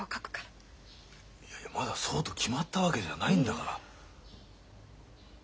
いやいやまだそうと決まったわけじゃないんだから。